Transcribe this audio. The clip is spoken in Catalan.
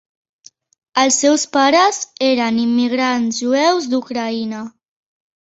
Els seus pares eren immigrants jueus d'Ucraïna.